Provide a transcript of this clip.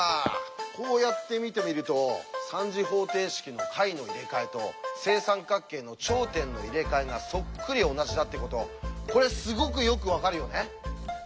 こうやって見てみると３次方程式の解の入れ替えと正三角形の頂点の入れ替えがそっくり同じだってことこれすごくよく分かるよね。